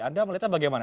anda melihatnya bagaimana